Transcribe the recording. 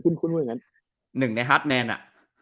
แน่แน่ว่าคือ๑ในฮาร์ทแมนอ่ะ